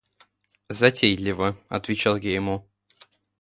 – Затейлива, – отвечал я ему.